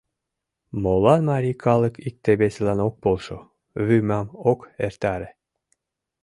Молан марий калык икте-весылан ок полшо, вӱмам ок эртаре?